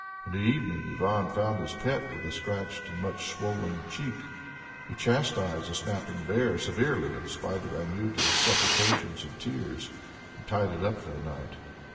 In the evening Ivan found his pet with a scratched and much swollen cheek. He chastised the snapping bear severely in spite of Anjuta's supplications and tears, and tied it up for the night.